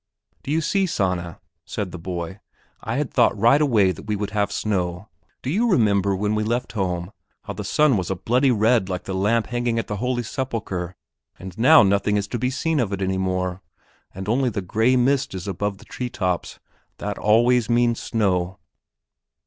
"Do you see, Sanna," said the boy, "I had thought right away that we would have snow; do you remember, when we left home, how the sun was a bloody red like the lamp hanging at the Holy Sepulchre; and now nothing is to be seen of it any more, and only the gray mist is above the tree tops. That always means snow."